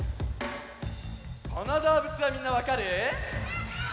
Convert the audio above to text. このどうぶつはみんなわかる？